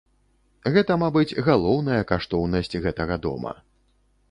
Гэта, мабыць, галоўная каштоўнасць гэтага дома.